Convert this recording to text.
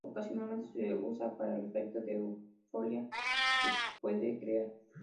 Ocasionalmente se usa para el efecto de euforia que puede crear.